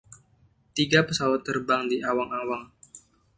Tiga pesawat terbang di awang-awang.